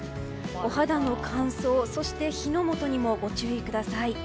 お肌の乾燥、そして火の元にもご注意ください。